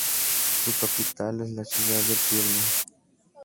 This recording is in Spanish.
Su capital es la ciudad de Pirna.